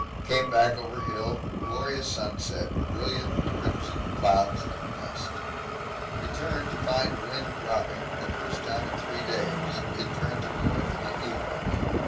Came back over hill: glorious sunset, brilliant crimson clouds in west. Returned to find wind dropping, the first time for three days. It turned to north in the evening.